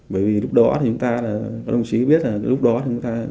bởi vì lúc đó thì chúng ta là các đồng chí biết là lúc đó chúng ta